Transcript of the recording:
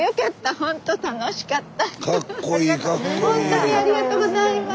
ほんとにありがとうございます！